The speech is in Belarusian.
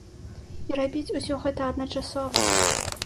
І рабіць усё гэта адначасова.